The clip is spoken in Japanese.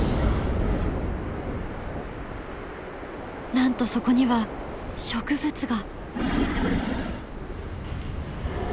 なんとそこには植物が！